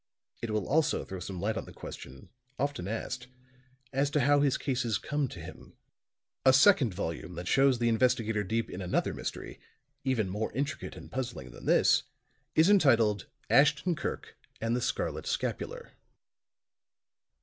It will also throw some light on the question, often asked, as to how his cases come to him. A second volume that shows the investigator deep in another mystery, even more intricate and puzzling than this, is entitled "Ashton Kirk and the Scarlet Scapular."